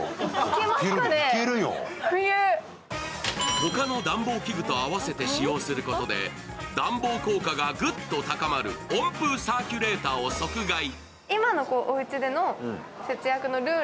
ほかの暖房器具と合わせて使用することで暖房効果がグッと高まる温風サーキュレーターを即買い。